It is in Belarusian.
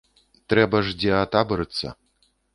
Трэба ж дзе атабарыцца.